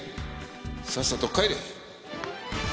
さっさと帰れ！